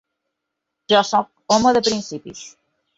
Jo soc home de principis.